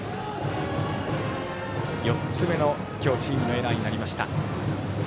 ４つ目の今日チームのエラーになりました。